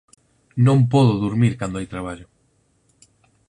Non podo durmir cando hai traballo.